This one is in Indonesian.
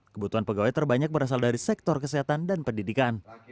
kebutuhan pegawai terbanyak berasal dari sektor kesehatan dan pendidikan